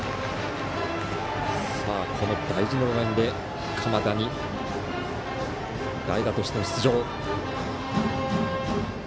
この大事な場面で鎌田、代打としての出場。